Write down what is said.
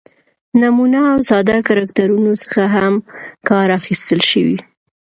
،نمونه او ساده کرکترونو څخه هم کار اخستل شوى